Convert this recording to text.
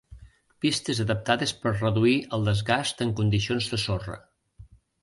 Pistes adaptades per reduir el desgast en condicions de sorra.